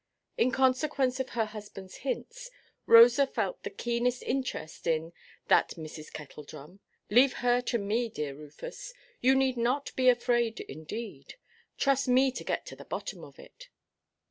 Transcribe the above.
In consequence of her husbandʼs hints, Rosa felt the keenest interest in "that Mrs. Kettledrum. Leave her to me, dear Rufus. You need not be afraid, indeed. Trust me to get to the bottom of it."